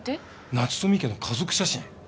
夏富家の家族写真。